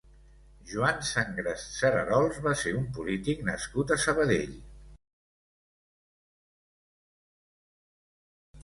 Joan Sangres Serarols va ser un polític nascut a Sabadell.